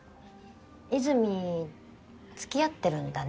和泉付き合ってるんだね